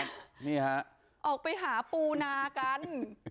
แล้วจะออกไปหาปูณากัน